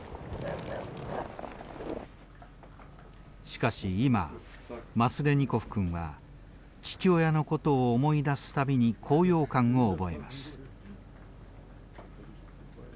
しかし今マスレニコフ君は父親のことを思い出す度に高揚感を覚えます。